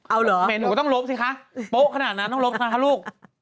เอาเหรอโป๊ต้องลบสิคะโป๊ขนาดนั้นต้องลบสิคะลูก